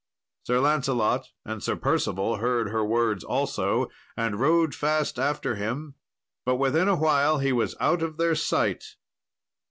Sir Lancelot and Sir Percival heard her words also, and rode fast after him, but within awhile he was out of their sight.